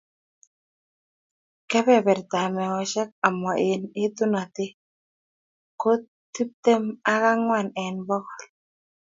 Kbebertab meosyek ama eng etunatet ko tuptem ak ang'wan eng pokol.